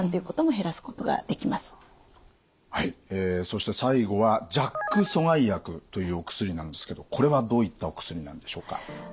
そして最後はＪＡＫ阻害薬というお薬なんですけどこれはどういったお薬なんでしょうか？